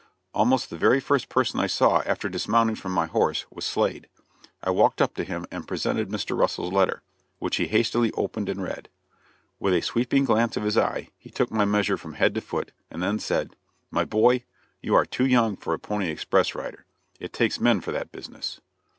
Almost the very first person I saw after dismounting from my horse was Slade. I walked up to him and presented Mr. Russell's letter, which he hastily opened and read. With a sweeping glance of his eye he took my measure from head to foot, and then said: "My boy, you are too young for a pony express rider. It takes men for that business."